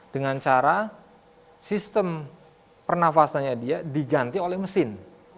dengan cara sistem pernafasannya dia diganti oleh mesin